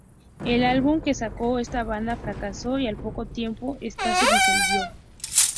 El álbum que sacó esta banda fracasó y al poco tiempo esta se disolvió.